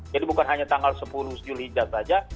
jadi bukan hanya tanggal sepuluh zulhijjah saja